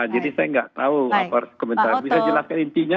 jadi saya tidak tahu apa komentar